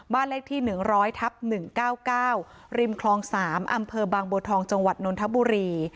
บ้านเลขที่๑๐๐ทับ๑๙๙ริมคลอง๓อำเภอบางบัวทองจังหวัดนนทบุรี